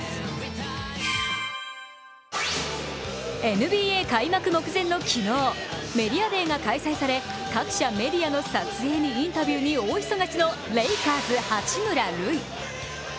ＮＢＡ開幕目前の昨日、メディアデーが開催され、各社メディアの撮影にインタビューに大忙しのレイカーズ・八村塁。